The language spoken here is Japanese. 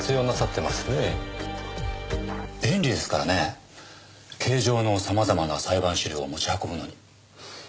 便利ですからね形状の様々な裁判資料を持ち運ぶのに。